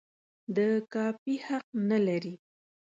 د کاپي حق نه لري.